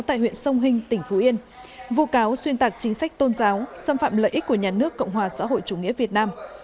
tại huyện sông hinh tỉnh phú yên vụ cáo xuyên tạc chính sách tôn giáo xâm phạm lợi ích của nhà nước cộng hòa xã hội chủ nghĩa việt nam